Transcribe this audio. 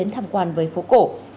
tham quan với phố cổ